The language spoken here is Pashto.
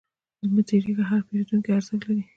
مه تریږه، هر پیرودونکی ارزښت لري.